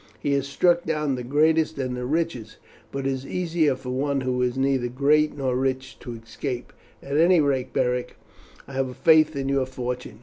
He has struck down the greatest and richest; but it is easier for one who is neither great nor rich to escape. At any rate, Beric, I have a faith in your fortune.